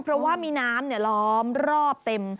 เพราะว่ามีน้ำล้อมรอบเต็ม